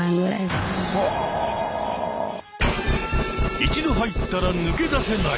一度入ったら抜け出せない？